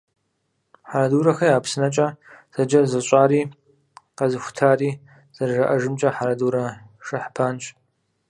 «Хьэрэдурэхэ я псынэкӀэ» зэджэр зыщӀари, къэзыхутари, зэрыжаӀэжымкӀэ, Хьэрэдурэ Шэхьбанщ.